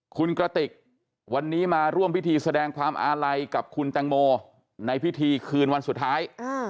คุณกระติกวันนี้มาร่วมพิธีแสดงความอาลัยกับคุณแตงโมในพิธีคืนวันสุดท้าย